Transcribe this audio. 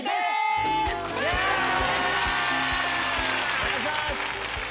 お願いします！